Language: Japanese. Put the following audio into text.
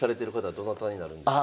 どなたになるんですか？